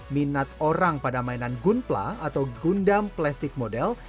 minat orang pada mainan gunpla atau gundam plastik model